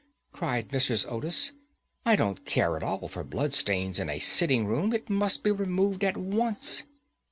cried Mrs. Otis; "I don't at all care for blood stains in a sitting room. It must be removed at once."